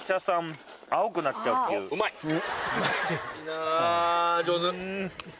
あ上手。